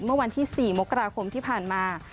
ที่พันธุ์มาที่สี่มกราคมที่ผ่านมา